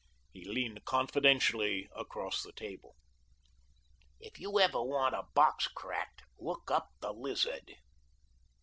He leaned confidentially across the table. "If you ever want a box cracked, look up the Lizard."